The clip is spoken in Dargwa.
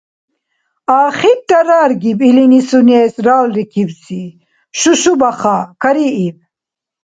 Ахирра раргиб илини сунес «ралрикибси» Шушу-Баха. Карииб.